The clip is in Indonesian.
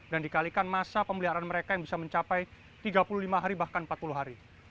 dan dikalikan masa pemeliharaan mereka yang bisa mencapai tiga puluh lima hari bahkan empat puluh hari